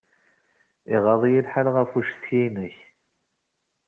Iɣaḍ-iyi lḥal ɣef uccetki-nnek.